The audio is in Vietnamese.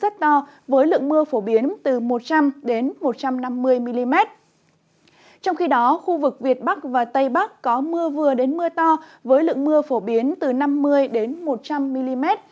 trong khi đó khu vực việt bắc và tây bắc có mưa vừa đến mưa to với lượng mưa phổ biến từ năm mươi một trăm linh mm